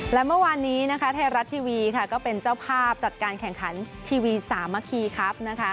และเมื่อวานนี้นะคะไทยรัฐทีวีค่ะก็เป็นเจ้าภาพจัดการแข่งขันทีวีสามัคคีครับนะคะ